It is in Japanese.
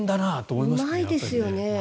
うまいですよね。